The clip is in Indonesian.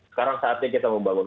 sekarang saatnya kita membangun